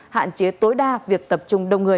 hạn chế tối đa việc tập trung đông người